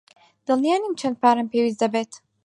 دڵنیا نیم چەند پارەم پێویست دەبێت.